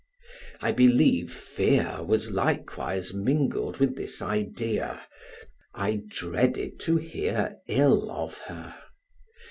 I believe fear was likewise mingled with this idea; I dreaded to hear ill of her.